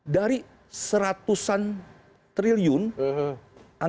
dari seratusan triliun